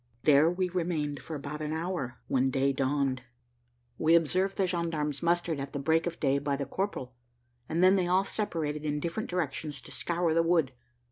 There we remained for about an hour, when day dawned. We observed the gendarmes mustered at the break of day by the corporal, and then they all separated in different directions to scour the wood.